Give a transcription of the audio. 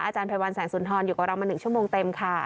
ไพรวัลแสงสุนทรอยู่กับเรามา๑ชั่วโมงเต็มค่ะ